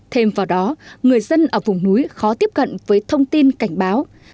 thêm vào đó người dân ở vùng núi khó tiếp cận với thông tin cảnh báo